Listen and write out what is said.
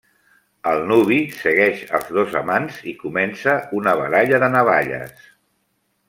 El nuvi segueix els dos amants i comença una baralla de navalles.